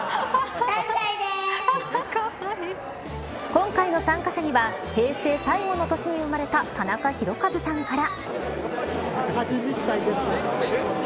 今回の参加者には平成最後の年に生まれたタナカヒロカズさんから。